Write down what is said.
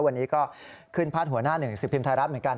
วันนี้ก็ขึ้นพาดหัวหน้าหนึ่งสิบพิมพ์ไทยรัฐเหมือนกัน